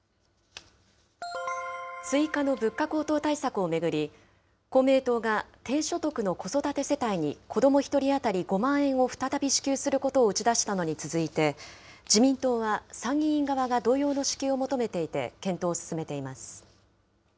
追加の物価高騰対策を巡り、公明党が低所得の子育て世帯に子ども１人当たり５万円を再び支給することを打ち出したのに続いて、自民党は参議院側が同様の支給を求めていて、検討を進めています。